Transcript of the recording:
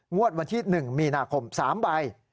วันที่๑มีนาคม๓ใบ